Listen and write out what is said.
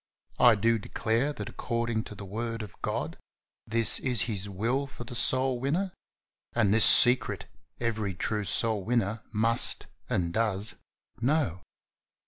I do declare that ac cordingto the Word of God this is His will for the soul winner, and this secret every true soul winner must and does know.